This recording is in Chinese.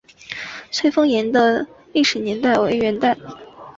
翠峰岩的历史年代为元代。